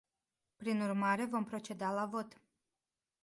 Prin urmare vom proceda la vot.